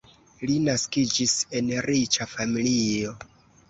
Li naskiĝis en riĉa familio.